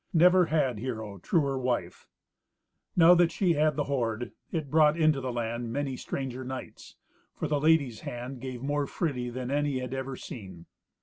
Never had hero truer wife. Now that she had the hoard, it brought into the land many stranger knights; for the lady's hand gave more freely than any had ever seen.